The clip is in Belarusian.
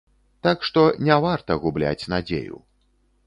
Так што не варта губляць надзею.